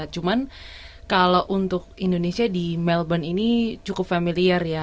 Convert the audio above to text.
cuman kalau untuk indonesia di melbourne ini cukup familiar ya